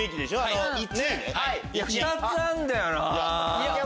２つあんだよな。